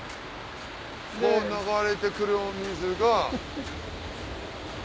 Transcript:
こう流れてくるお水が。